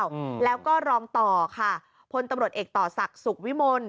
อืมแล้วก็รองต่อค่ะพลตำรวจเอกต่อศักดิ์สุขวิมล